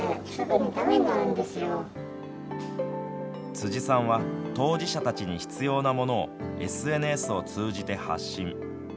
辻さんは当事者たちに必要なものをＳＮＳを通じて発信。